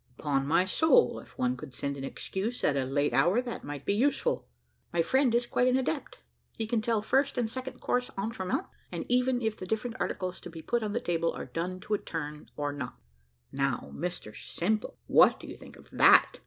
"Upon my soul, if one could send an excuse at a late hour, that might be useful." "My friend is quite an adept. He can tell first and second course entremets, and even if the different articles to be put on the table are done to a turn, or not." "Now, Mr Simple, what do you think of that?"